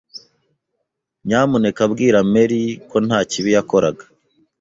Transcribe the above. Nyamuneka bwira Mary ko nta kibi yakoraga.